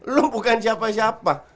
lu bukan siapa siapa